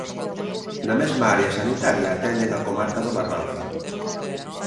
Na mesma área sanitaria atenden a comarca do Barbanza.